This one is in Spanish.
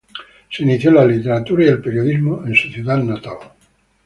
Se inició en la literatura y el periodismo en su ciudad natal.